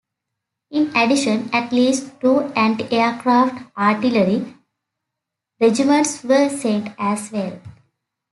In addition, at least two anti-aircraft artillery regiments were sent as well.